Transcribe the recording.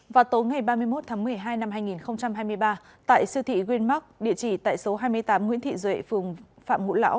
vào tối ngày ba mươi một tháng một mươi hai năm hai nghìn hai mươi ba tại siêu thị greenmark địa chỉ tại số hai mươi tám nguyễn thị duệ phường phạm ngũ lão